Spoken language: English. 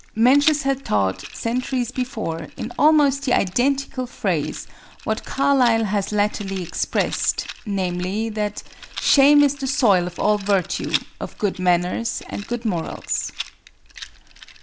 Mencius had taught centuries before, in almost the identical phrase, what Carlyle has latterly expressed,—namely, that "Shame is the soil of all Virtue, of good manners and good morals."